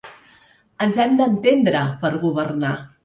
Ens hem d’entendre per governar.